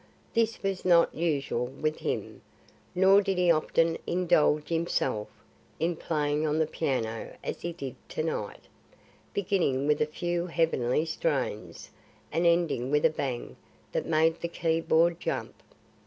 This was not usual with him. Nor did he often indulge himself in playing on the piano as he did to night, beginning with a few heavenly strains and ending with a bang that made the key board jump.